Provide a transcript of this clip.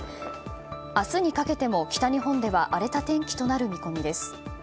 明日にかけても、北日本では荒れた天気となる見込みです。